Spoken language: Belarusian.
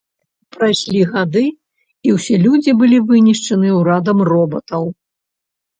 Прайшлі гады, і ўсе людзі былі вынішчаны ўрадам робатаў.